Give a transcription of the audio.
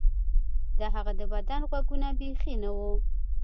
د هغه د بدن غوږونه بیخي نه وو